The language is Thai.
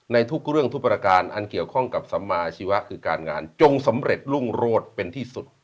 ในทุกเรื่องทุกประการอันเกี่ยวข้องกับสัมมาชีวะคือการงานจงสำเร็จรุ่งโรธเป็นที่สุด